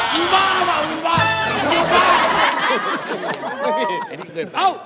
มีบ้าบ้า